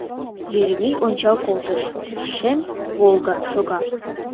Еремей ончал колтыш — шем «Волга» шога.